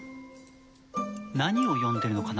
何を読んでるのかな？